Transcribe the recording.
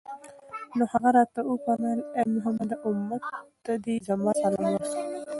نو هغه راته وفرمايل: اې محمد! أمت ته دي زما سلام ورسوه